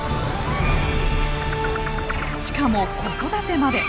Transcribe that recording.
しかも子育てまで。